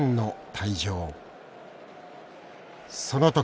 その時。